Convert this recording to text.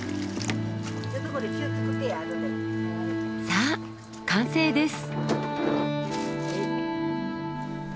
さあ完成です。